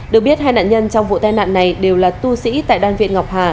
được biết hai nạn nhân trong vụ tai nạn này đều là tu sĩ tại đơn viện ngọc hà